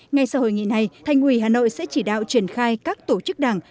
ngay sau hội nghị này thành ủy hà nội sẽ chỉ đạo triển khai các tổ chức đảng